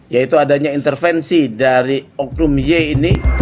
yaitu adanya intervensi dari oknum y ini